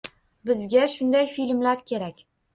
Bizga shunday filmlar kerak